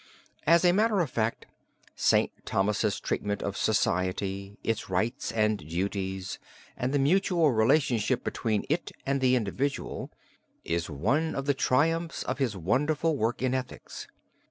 As a matter of fact, St. Thomas's treatment of Society, its rights and duties, and the mutual relationship between it and the individual, is one of the triumphs of his wonderful work in ethics.